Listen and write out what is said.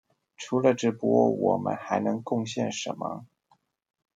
除了直播，我們還能貢獻什麼？